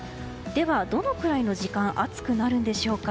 どのくらいの時間暑くなるんでしょうか。